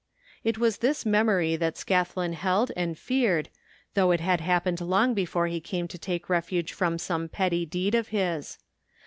It was this memory that Scatblin held and feared, although it had happened long before he came to take refuge from some petty deed of his.